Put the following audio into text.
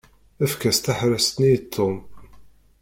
Efk-as taḥeṛṛast-nni i Ṭom.